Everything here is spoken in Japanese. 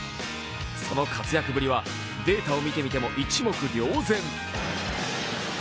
その活躍ぶりはデータを見てみても一目瞭然。